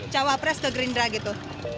cawapres ke gerindra gitu